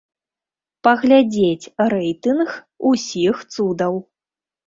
Паглядзець рэйтынг усіх цудаў.